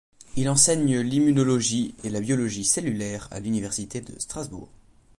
Il enseigne l'immunologie et la biologie cellulaire à l'université de Strasbourg.